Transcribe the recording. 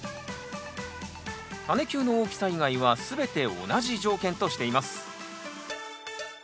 タネ球の大きさ以外は全て同じ条件としています